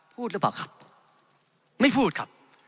พูดหรือเปล่าครับไม่พูดครับ